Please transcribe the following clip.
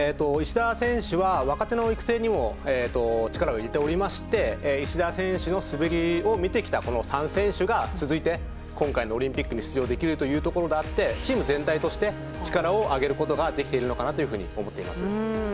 石田選手は若手の育成にも力を入れておりまして石田選手の滑りを見てきたこの３選手が続いて今回のオリンピックに出場できていてチーム全体として力を上げることができていると思っています。